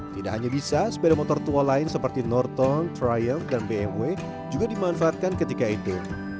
tidak hanya bisa sepeda motor tua lain seperti norton trial dan bmw juga dimanfaatkan ketika itu